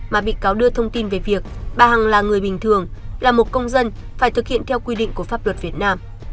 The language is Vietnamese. mà bị cáo đưa thông tin về việc bà hằng là người bình thường là một công dân phải thực hiện theo quy định của pháp luật việt nam